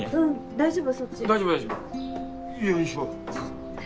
大丈夫？